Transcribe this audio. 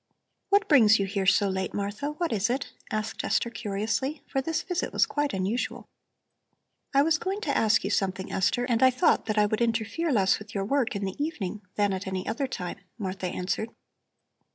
"What brings you here so late, Martha; what is it?" asked Esther curiously, for this visit was quite unusual. "I was going to ask you something, Esther, and I thought that I would interfere less with your work in the evening than at any other time," Martha answered.